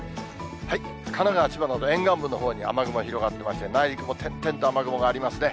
神奈川、千葉など沿岸部のほうに雨雲が広がってまして、内陸も点々と雨雲がありますね。